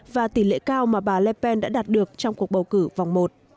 và tỷ lệ cao mà bà le pen đã đạt được trong cuộc bầu cử vòng một